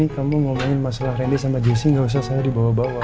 kamu ngomongin masalah rendy sama jessy gak usah saya dibawa bawa